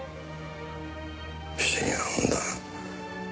不思議なもんだ。